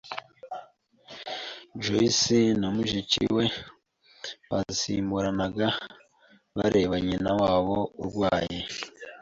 Joyci na mushiki we basimburanaga bareba nyina wabo urwaye.